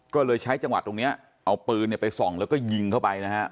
ก็เลยใช้จังหวัดตรงนี้เอาปืนไปส่องเสร็จก็ยิงเขาไป